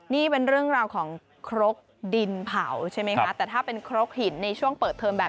นี่เป็นเรื่องราวของครกดินเผาใช่ไหมคะ